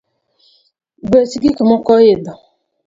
Bech gikmoko oidho